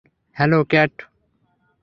Hello, cat!